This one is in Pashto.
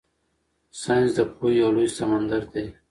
ساینس د پوهې یو لوی سمندر دی.